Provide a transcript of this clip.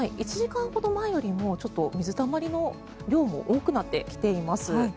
１時間ほど前よりも水たまりの量も多くなってきています。